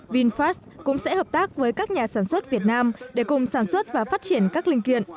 vinfast cũng sẽ hợp tác với các nhà sản xuất việt nam để cùng sản xuất và phát triển các linh kiện